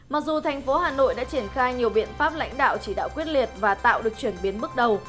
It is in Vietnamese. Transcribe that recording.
mặc dù thành phố hà nội đã triển khai nhiều biện pháp lãnh đạo chỉ đạo quyết liệt và tạo được chuyển biến bước đầu